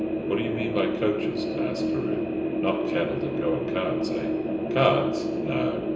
"What do you mean by coachers?" asked Carew. "Not cattle that go in carts, eh?" "Carts, no.